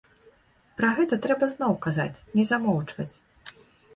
Пра гэта трэба зноў казаць, не замоўчваць.